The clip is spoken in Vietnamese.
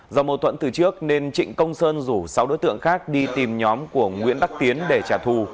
do mâu thuẫn từ trước nên trịnh công sơn rủ sáu đối tượng khác đi tìm nhóm của nguyễn đắc tiến để trả thù